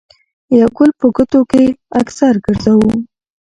يو ګل په ګوتو کښې اکثر ګرځوو